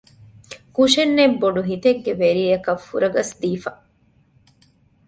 ކުށެއްނެތް ބޮޑު ހިތެއްގެ ވެރިޔަކަށް ފުރަގަސް ދީފަ